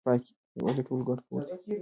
هیواد د ټولو ګډ کور دی.